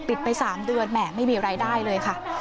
ไป๓เดือนแหมไม่มีรายได้เลยค่ะ